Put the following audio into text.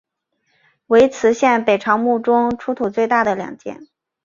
为磁县北朝墓中出土最大的两件。